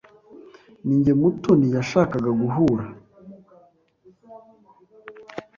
Ninjye Mutoni yashakaga guhura.